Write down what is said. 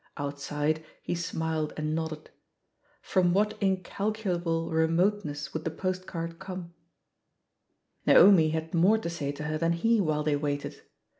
Outside, he smiled and nodded* From what incalculable remoteness would the postcard comel Naomi had more to say to her than he while they waited.